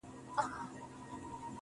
د خالق په انتظار کي يې ويده کړم~